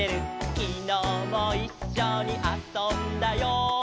「きのうもいっしょにあそんだよ」